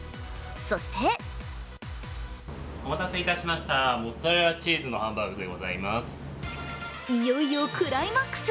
そしていよいよクライマックス。